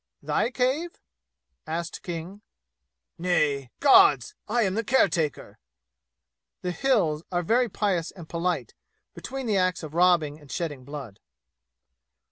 "Thy cave?" asked King. "Nay. God's! I am the caretaker!" (The "Hills" are very pious and polite, between the acts of robbing and shedding blood.)